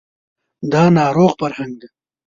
دا ناروغ فرهنګ دی